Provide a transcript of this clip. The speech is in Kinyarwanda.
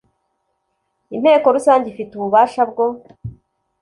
Inteko rusange ifite ububasha bwo